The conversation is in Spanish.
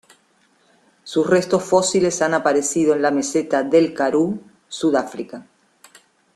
Sus restos fósiles han aparecido en la meseta del Karoo, Sudáfrica.